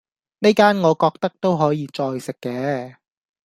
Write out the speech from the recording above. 呢間我覺得都係可以再食既